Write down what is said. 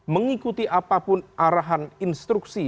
mengikuti apapun arahan instruksi